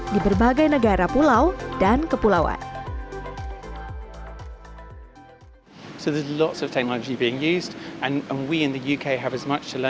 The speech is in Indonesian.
di bagian terakhir kita akan mencari penyakit alam